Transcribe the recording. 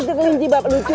itu kelinci bapak lucu ya